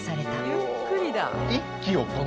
ゆっくりだ。